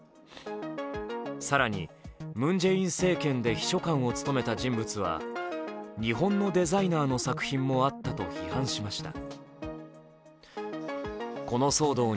更にムン・ジェイン政権で秘書官を務めた人物は日本のデザイナーの作品もあったと批判しました。